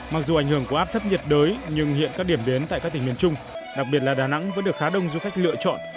mặc dù ảnh hưởng của áp thấp nhiệt đới nhưng hiện các điểm đến tại các tỉnh miền trung đặc biệt là đà nẵng vẫn được khá đông du khách lựa chọn